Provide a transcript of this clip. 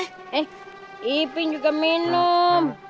eh iping juga minum